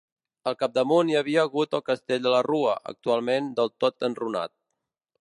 Al capdamunt hi havia hagut el Castell de la Rua, actualment del tot enrunat.